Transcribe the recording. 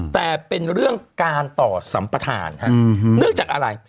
แต่เป็นเรื่องการต่อสัมประธานเนื่องจากอะไร